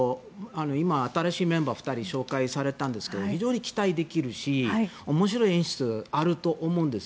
今、新しいメンバーが２人紹介されたんですが非常に期待できるし面白い演出、あると思うんです。